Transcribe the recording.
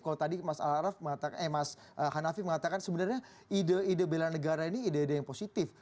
kalau tadi mas hanafi mengatakan sebenarnya ide ide bela negara ini ide ide yang positif